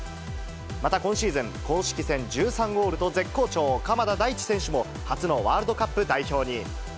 また、今シーズン、公式戦１３ゴールと絶好調、鎌田大地選手も初のワールドカップ代表に。